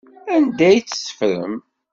Anda ay tt-teffrem?